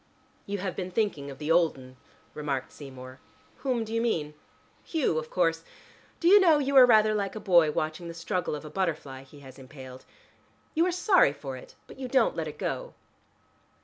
"You have been thinking of the old 'un," remarked Seymour. "Whom do you mean?" "Hugh, of course. Do you know you are rather like a boy watching the struggle of a butterfly he has impaled? You are sorry for it, but you don't let it go.